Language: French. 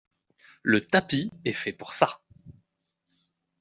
Le tapis est fait pour ça.